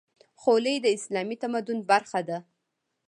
خولۍ د اسلامي تمدن برخه ده.